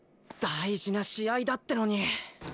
大事な試合だってのに。